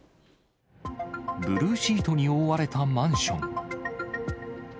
ブルーシートに覆われたマンション。